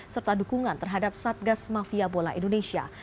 serta dukungan terhadap satgas mafia bola indonesia